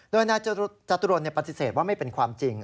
โดยนายจตุรนปฏิเสธว่าไม่เป็นความจริง